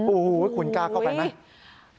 โอ้โหคุณกล้าเข้าไปไหม